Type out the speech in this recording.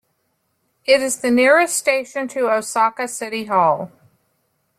It is the nearest station to Osaka City Hall.